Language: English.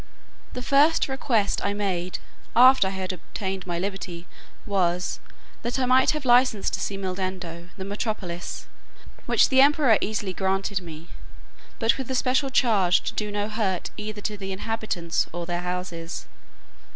The first request I made, after I had obtained my liberty, was, that I might have license to see Mildendo, the metropolis; which the emperor easily granted me, but with a special charge to do no hurt either to the inhabitants or their houses.